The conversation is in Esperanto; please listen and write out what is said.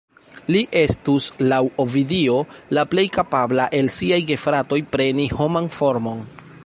Li estus, laŭ Ovidio, la plej kapabla el siaj gefratoj preni homan formon.